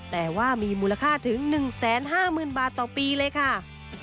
แต่ว่ามีมูลค่าถึง๑๕๐๐๐บาทต่อปีเลยค่ะ